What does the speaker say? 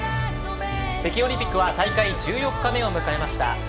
北京オリンピックは大会１４日目を迎えました。